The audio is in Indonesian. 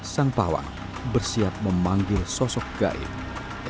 san pawang bersiap memanggil sosok guide